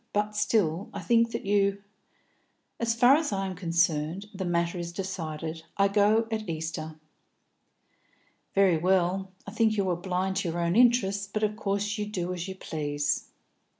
But I still think that you " "As far as I am concerned, the matter is decided. I go at Easter." "Very well. I think you are blind to your own interest, but of course you do as you please.